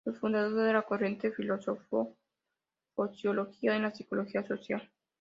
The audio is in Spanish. El fundador de la corriente filósofo-sociológica en la psicología social.